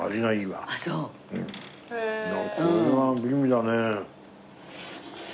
これは美味だね。